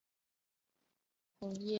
楝叶吴萸为芸香科吴茱萸属的植物。